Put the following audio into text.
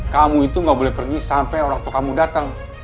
kamu itu gak boleh pergi sampai orang tua kamu datang